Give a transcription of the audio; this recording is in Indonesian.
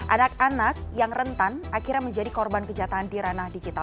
anak anak yang rentan akhirnya menjadi korban kejataan tirana digital